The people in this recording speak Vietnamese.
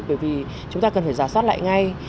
bởi vì chúng ta cần phải giả soát lại ngay